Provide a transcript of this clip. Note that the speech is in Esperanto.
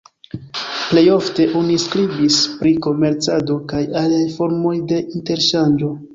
Plej ofte oni skribis pri komercado kaj aliaj formoj de interŝanĝo.